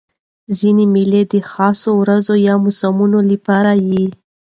ځیني مېلې د خاصو ورځو یا موسمونو له پاره يي.